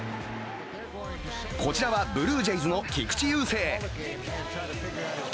こちらはブルージェイズの菊池雄星。